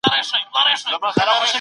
الهي احکام باید په مځکه کي نافذ سي.